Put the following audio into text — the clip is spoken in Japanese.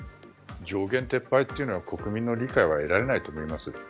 上限撤廃というのは国民の理解は得られないと思います。